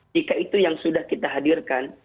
jika itu yang sudah kita hadirkan